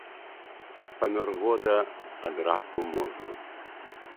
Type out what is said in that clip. Памёр года ад раку мозгу.